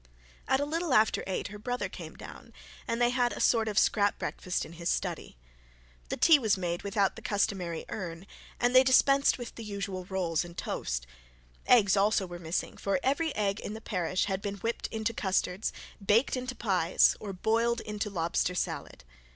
At a little after eight her brother came down, and they had a sort of scrap breakfast in his study. The tea was made without the customary urn, and they dispensed with the usual rolls and toast. Eggs were also missing, for every egg in the parish had been whipped into custards, baked into pies, or boiled into lobster salad.